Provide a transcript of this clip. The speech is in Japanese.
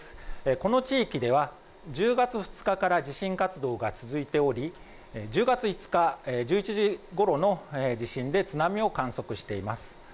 この地域では１０月２日から地震活動が続いており１０月５日１１時ごろの地震で津波を観測しています。